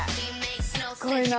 すごいな。